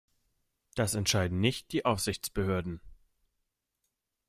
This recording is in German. Das entscheiden nicht die Aufsichtsbehörden.